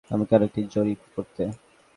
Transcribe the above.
আবার রাজনগর যেতে হবে আপনাকে, আরেকটা জরিপ করতে।